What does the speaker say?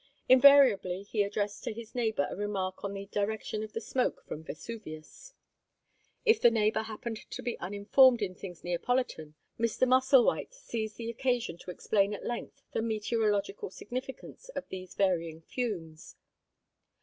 Invariably he addressed to his neighbour a remark on the direction of the smoke from Vesuvius. If the neighbour happened to be uninformed in things Neapolitan, Mr. Musselwhite seized the occasion to explain at length the meteorologic significance of these varying fumes.